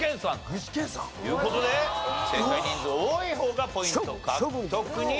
具志堅さん？という事で正解人数多い方がポイント獲得になります。